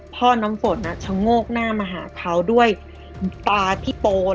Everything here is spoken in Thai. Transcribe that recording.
น้ำฝนชะโงกหน้ามาหาเขาด้วยตาพี่โปน